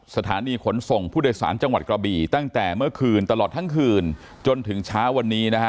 สถานีขนส่งผู้โดยสารจังหวัดกระบี่ตั้งแต่เมื่อคืนตลอดทั้งคืนจนถึงเช้าวันนี้นะฮะ